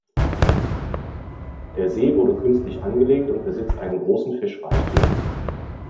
Der See wurde künstlich angelegt und besitzt einen großen Fischreichtum.